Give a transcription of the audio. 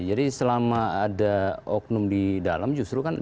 jadi selama ada oknum di dalam justru kan bisa